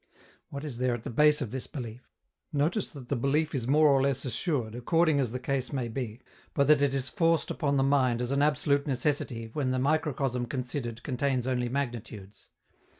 What is there at the base of this belief? Notice that the belief is more or less assured, according as the case may be, but that it is forced upon the mind as an absolute necessity when the microcosm considered contains only magnitudes.